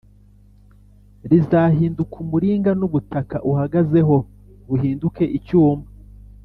rizahinduka umuringa, n’ubutaka uhagazeho buhinduke icyuma.